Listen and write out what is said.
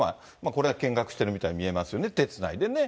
これは見学してるみたいに見えますよね、手つないでね。